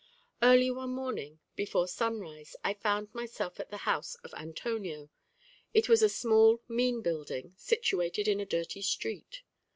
Early one morning, before sunrise, I found myself at the house of Antonio; it was a small mean building, situated in a dirty street.